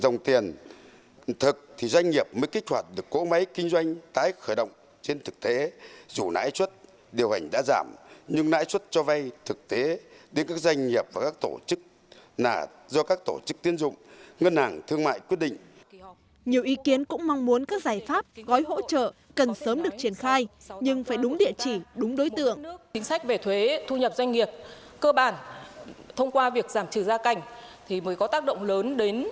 nhiều ý kiến cũng mong muốn các giải pháp gói hỗ trợ cần sớm được triển khai